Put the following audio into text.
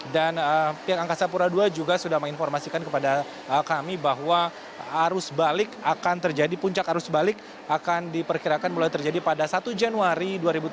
dan pihak angkasa pura ii juga sudah menginformasikan kepada kami bahwa arus balik akan terjadi puncak arus balik akan diperkirakan mulai terjadi pada satu januari dua ribu tujuh belas